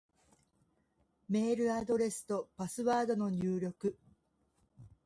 メールアドレスとパスワードの入力